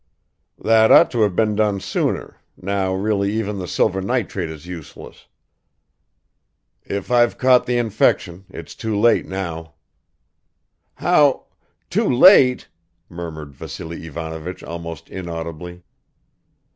"That ought to have been done sooner, now really even the silver nitrate is useless. If I've caught the infection, it's too late now." "How ... too late ...?" murmured Vassily Ivanovich almost inaudibly.